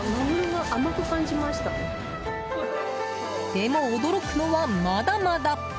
でも驚くのは、まだまだ。